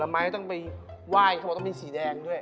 ไม่ต้องไปไหว้เขาบอกต้องมีสีแดงด้วย